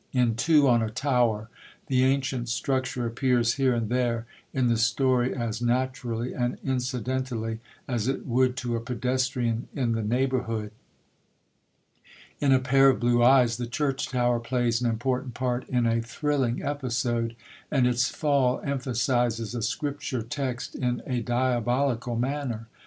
In Two on a Tower the ancient structure appears here and there in the story as naturally and incidentally as it would to a pedestrian in the neighbourhood; in A Pair of Blue Eyes the church tower plays an important part in a thrilling episode, and its fall emphasises a Scripture text in a diabolical manner.